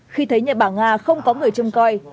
khi thấy nhà bà nga không có người trông coi